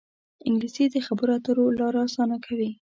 انګلیسي د خبرو اترو لاره اسانه کوي